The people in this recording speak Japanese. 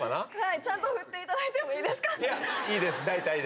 ちゃんと振っていただいてもいいです、大体で。